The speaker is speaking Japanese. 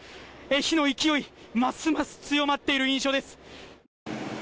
火の勢いますます強まっている印象です。